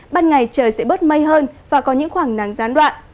ban ngày trời sẽ bớt mây hơn và có những khoảng nắng gián đoạn